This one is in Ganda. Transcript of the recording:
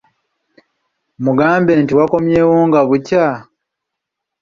Mugambe nti wakomyewo nga bukya?